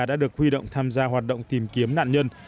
đã được huy động tham gia hoạt động tìm kiếm nạn nhân